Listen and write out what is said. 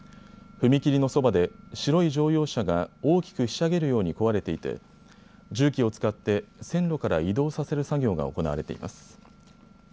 踏切のそばで白い乗用車が大きくひしゃげるように壊れていて重機を使って線路から移動させる作業が行われています。